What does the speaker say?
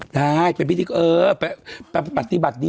ได้เป็นพฤษฎิบาทดี